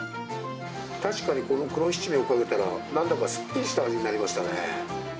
確かに、この黒七味をかけたら、なんだかすっきりした味になりましたね。